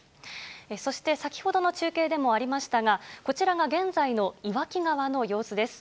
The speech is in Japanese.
そして先ほどの中継でもありましたが、こちらが現在の岩木川の様子です。